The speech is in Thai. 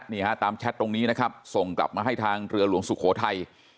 นี่ฮะตามแชทตรงนี้นะครับส่งกลับมาให้ทางเรือหลวงสุโขทัย